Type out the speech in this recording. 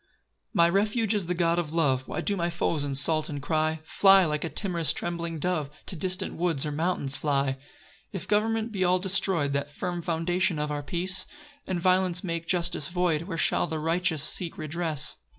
1 My refuge is the God of love; Why do my foes insult and cry, "Fly like a timorous trembling dove, "To distant woods or mountains fly"? 2 If government be all destroy'd (That firm foundation of our peace) And violence make justice void, Where shall the righteous seek redress?